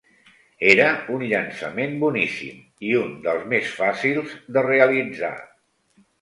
Era un llançament boníssim i un dels més fàcils de realitzar.